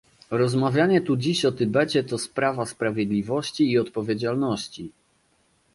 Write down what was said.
Rozmawianie tu dziś o Tybecie to sprawa sprawiedliwości i odpowiedzialności